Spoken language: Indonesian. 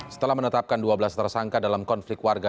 setelah menetapkan dua belas tersangka dalam konflik warga